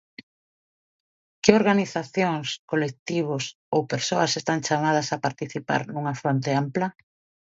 Que organizacións, colectivos ou persoas están chamadas a participar nunha fronte ampla?